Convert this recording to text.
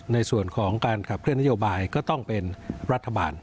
ในส่วนของการขับเคลื่อนนโยบายก็ต้องเป็นรัฐบาล